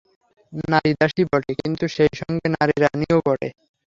নারী দাসী বটে, কিন্তু সেই সঙ্গে নারী রানীও বটে।